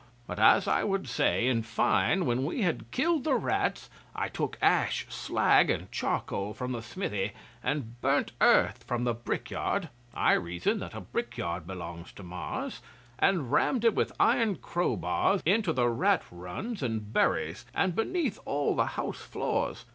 But as I would say, in fine, when we had killed the rats, I took ash, slag, and charcoal from the smithy, and burnt earth from the brickyard (I reason that a brickyard belongs to Mars), and rammed it with iron crowbars into the rat runs and buries, and beneath all the house floors.